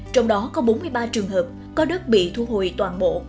trong đó có bốn mươi ba trường hợp có đất bị thu hồi toàn bộ